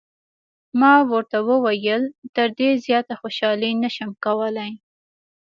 ما ورته وویل: تر دې زیاته خوشحالي نه شم کولای.